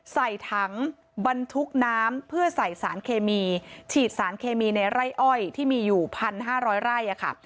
ใส่ถังบรรทุกน้ำเพื่อใส่สารเคมีฉีดสารเคมีในไร่อ้อยที่มีอยู่๑๕๐๐ไร่ค่ะ